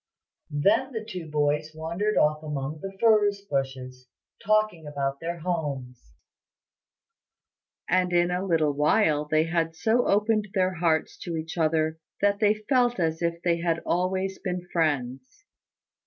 Then the two boys wandered off among the furze bushes, talking about their homes; and in a little while they had so opened their hearts to each other, that they felt as if they had always been friends.